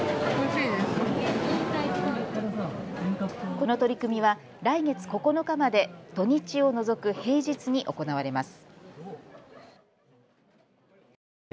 この取り組みは来月９日まで土日を除く平日に行われます。